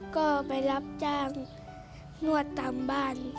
ก็ไปรับจ้างนวดตามบ้าน